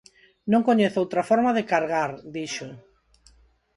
"Non coñezo outra forma de cargar", dixo.